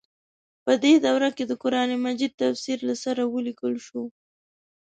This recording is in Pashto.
په دې دوره کې د قران مجید تفسیر له سره ولیکل شو.